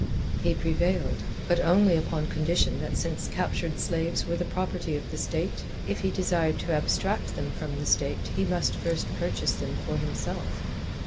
He prevailed, but only upon condition that since captured slaves were the property of the state, if he desired to abstract them from the state he must first purchase them for himself.